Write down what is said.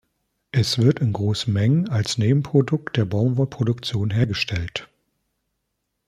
Es wird in großen Mengen als Nebenprodukt der Baumwollproduktion hergestellt.